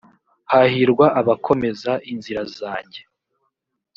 hahirwa abakomeza inzira zanjye .